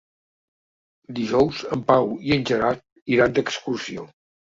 Dijous en Pau i en Gerard iran d'excursió.